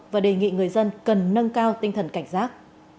và đề nghị người dân cần nâng cao tinh thần cảnh giác